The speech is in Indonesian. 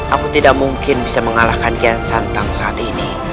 aku tidak mungkin bisa mengalahkan gansantang saat ini